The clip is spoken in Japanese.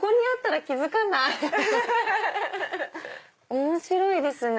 面白いですね！